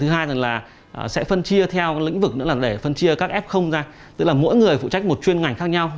thứ hai là sẽ phân chia theo lĩnh vực nữa là để phân chia các f ra tức là mỗi người phụ trách một chuyên ngành khác nhau